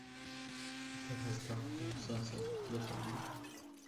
Baquvvat qo‘llar muolajasi darmon bo‘ldi shekilli, otasi ko‘zlarini ochdi.